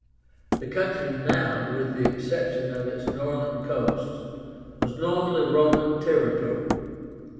The country now, with the exception of its northern coast, was nominally Roman territory.